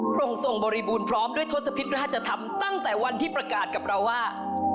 องค์ทรงบริบูรณ์พร้อมด้วยทศพิษราชธรรมตั้งแต่วันที่ประกาศกับเราว่า